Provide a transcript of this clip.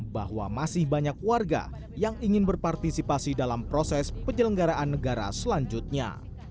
bahwa masih banyak warga yang ingin berpartisipasi dalam proses penyelenggaraan negara selanjutnya